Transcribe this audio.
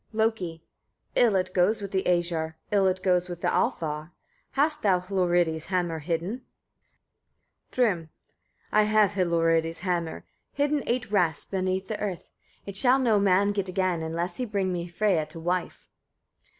Loki. 8. "Ill it goes with the Æsir, Ill it goes with the Alfar. Hast thou Hlorridi's hammer hidden?" Thrym. 9. "I have Hlorridi's hammer hidden eight rasts beneath the earth; it shall no man get again, unless he bring me Freyia to wife."